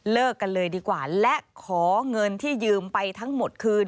กันเลยดีกว่าและขอเงินที่ยืมไปทั้งหมดคืน